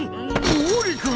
毛利君